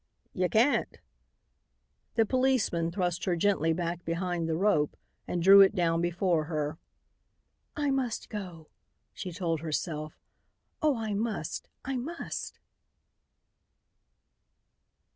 "Y' can't." The policeman thrust her gently back behind the rope and drew it down before her. "I must go," she told herself. "Oh, I must! I must!"